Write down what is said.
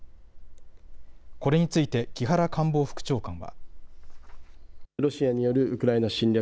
これについて木原官房副長官は。